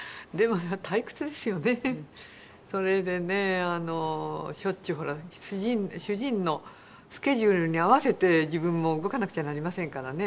それでねしょっちゅうほら主人のスケジュールに合わせて自分も動かなくちゃなりませんからね。